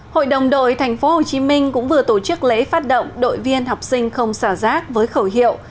hội đồng đội tp hcm cũng vừa tổ chức lễ phát động đội viên học sinh không xả rác với khẩu hiệu